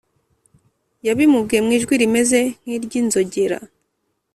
yabimubwiye mu ijwi rimeze nk’iry’inzogera